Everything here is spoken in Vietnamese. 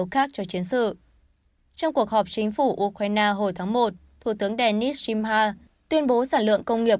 trong cuộc họp chính phủ ukraine hồi tháng một thủ tướng denis zimha tuyên bố sản lượng công nghiệp